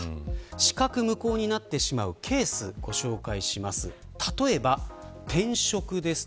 資格無効になってしまうケースをご紹介します。